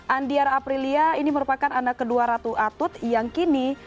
andiara aprilia ini merupakan anak kedua ratu atut yang kini